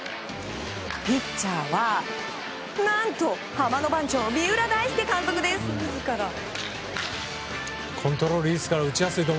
ピッチャーは何とハマの番長三浦大輔監督です。